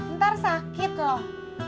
ntar sakit loh